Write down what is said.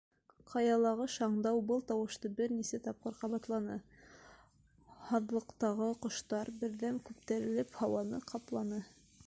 Ҡаялағы шаңдау был тауышты бер нисә тапҡыр ҡабатланы. һаҙлыҡтағы ҡоштар, берҙәм күтәрелеп, һауаны ҡапланы.